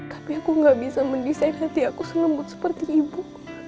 tapi aku gak bisa mendesain hati aku selembut seperti ibu